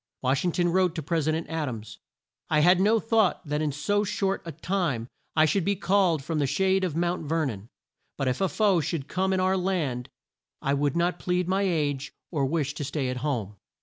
Wash ing ton wrote to Pres i dent Ad ams, "I had no thought that in so short a time I should be called from the shade of Mount Ver non. But if a foe should come in our land, I would not plead my age or wish to stay at home."